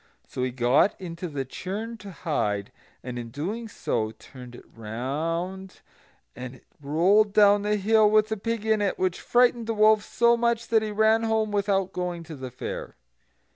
So he got into the churn to hide, and in so doing turned it round, and it rolled down the hill with the pig in it, which frightened the wolf so much that he ran home without going to the fair.